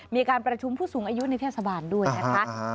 มีการประชุมผู้สูงอายุในเทศบาลด้วยนะคะ